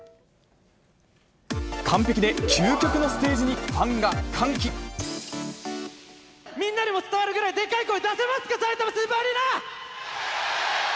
完璧で究極のステージに、みんなにも伝わるくらい、でっかい声出せますか、さいたまスーパーアリーナ！